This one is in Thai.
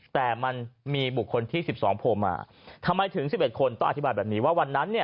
แต่มันมีบุคคลที่๑๒โผล่มาทำไมถึง๑๑คนต้องอธิบายแบบนี้ว่าวันนั้นเนี่ย